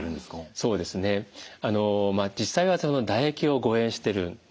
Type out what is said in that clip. そうですねまあ実際は唾液を誤えんしてるんです。